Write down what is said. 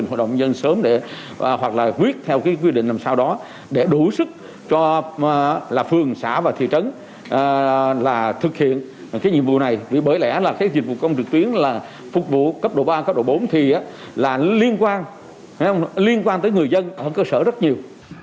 thì công an tp hcm đang gặp nhiều khó khăn liên quan tới người dân ở cơ sở rất nhiều